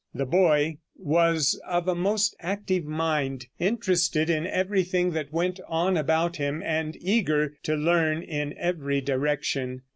The boy was of a most active mind, interested in everything that went on about him, and eager to learn in every direction.